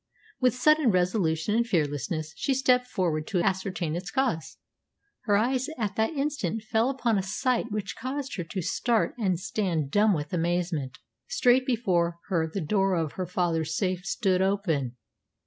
With sudden resolution and fearlessness, she stepped forward to ascertain its cause. Her eyes at that instant fell upon a sight which caused her to start and stand dumb with amazement. Straight before her the door of her father's safe stood open.